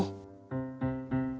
sekarang sang pangeran menanggungmu